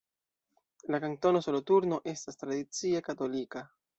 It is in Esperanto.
La Kantono Soloturno estas tradicie katolika.